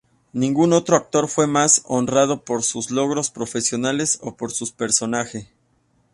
Ningún otro actor fue más honrado por sus logros profesionales o por su personaje.